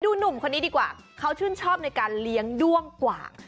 หนุ่มคนนี้ดีกว่าเขาชื่นชอบในการเลี้ยงด้วงกว่าง